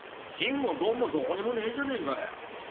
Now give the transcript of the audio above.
「貧」も「鈍」もどこにもねえじゃねえかよ！